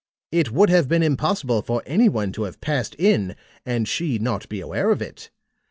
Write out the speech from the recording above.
It would have been impossible for any one to have passed in and she not be aware of it.